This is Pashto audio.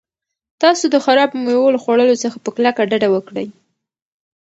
تاسو د خرابو مېوو له خوړلو څخه په کلکه ډډه وکړئ.